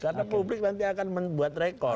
karena publik nanti akan membuat rekor